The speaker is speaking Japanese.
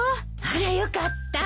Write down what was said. あらよかった。